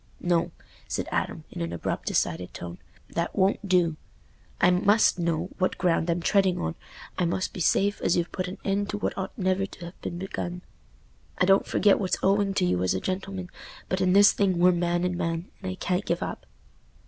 "No," said Adam, in an abrupt decided tone, "that won't do. I must know what ground I'm treading on. I must be safe as you've put an end to what ought never to ha' been begun. I don't forget what's owing to you as a gentleman, but in this thing we're man and man, and I can't give up."